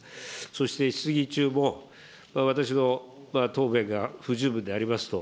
そして質疑中も、私の答弁が不十分でありますと、